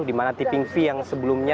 dimana tipping fee yang sebelumnya